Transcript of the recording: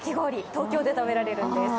東京で食べられるんです。